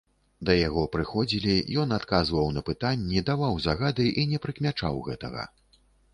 Да яго прыходзілі, ён адказваў на пытанні, даваў загады і не прыкмячаў гэтага.